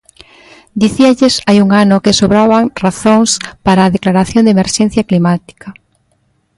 Dicíalles hai un ano que sobraban razóns para a declaración de emerxencia climática.